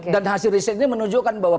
dan hasil risetnya menunjukkan bahwa